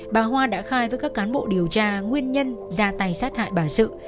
bà hoa đã khai với các cán bộ điều tra nguyên nhân ra tay sát hại bà sự